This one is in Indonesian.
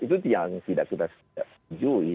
itu yang tidak kita setujui